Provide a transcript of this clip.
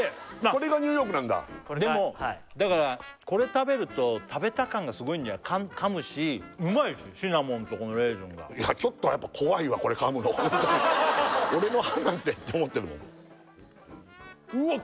これがニューヨークなんだこれがはいでもだからこれ食べると食べた感がすごいんじゃない噛むしうまいしシナモンとこのレーズンがちょっとやっぱ怖いわこれ噛むの俺の歯なんてって思ってるもんうわっ